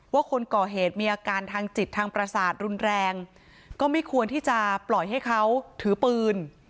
คนก่อเหตุมีอาการทางจิตทางประสาทรุนแรงก็ไม่ควรที่จะปล่อยให้เขาถือปืน